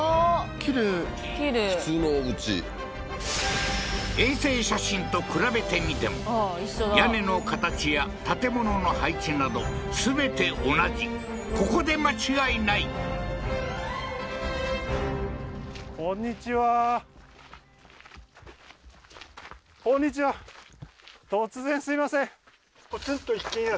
きれいきれい普通のおうち衛星写真と比べてみても屋根の形や建物の配置など全て同じここで間違いない上から見たことはないでしょうからねははは